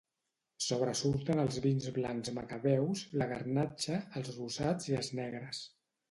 Sobresurten els vins blancs macabeus, la garnatxa, els rosats i els negres.